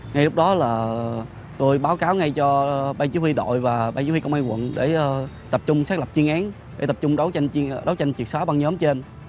ngay lúc đó là tôi báo cáo ngay cho ban chí huy đội và ban chí huy công an quận để tập trung xác lập chiến án để tập trung đấu tranh triệt sát